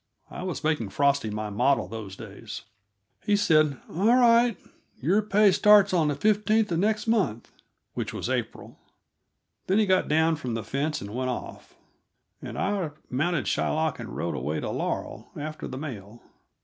I was making Frosty my model those days. He said: "All right your pay starts on the fifteenth of next month" which was April. Then he got down from the fence and went off, and I mounted Shylock and rode away to Laurel, after the mail.